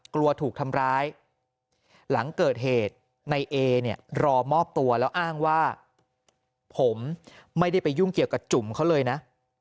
กลัวถูกทำร้ายหลังเกิดเหตุในเอเนี่ยรอมอบตัวแล้วอ้างว่าผมไม่ได้ไปยุ่งเกี่ยวกับจุ่มเขาเลยนะ